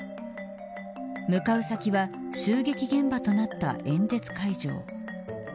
向かう先は襲撃現場となった演説会場。